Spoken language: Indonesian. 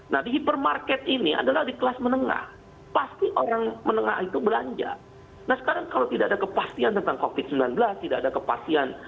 nah di hipermarket ini adalah di kelas menengah pasti orang menengah itu belanja nah sekarang kalau tidak ada kepastian tentang covid sembilan belas tidak ada kepastian